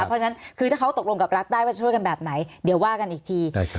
เพราะฉะนั้นคือถ้าเขาตกลงกับรัฐได้ว่าจะช่วยกันแบบไหนเดี๋ยวว่ากันอีกที